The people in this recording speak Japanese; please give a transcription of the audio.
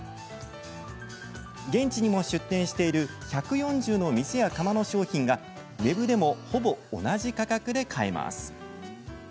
現地にも出店している１４０の店や窯の商品がウェブでもほぼ同じ価格で買えます。